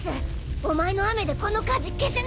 お前の雨でこの火事消せねえか！？